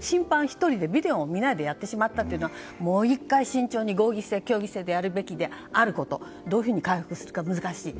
審判１人でビデオを見ないでやってしまったのはもう１回慎重に合議制、協議制であることどういうふうに回復するか難しい。